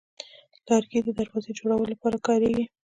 لرګی د دروازې جوړولو لپاره کارېږي.